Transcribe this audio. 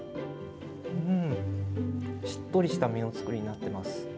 しっとりした身のつくりになっています。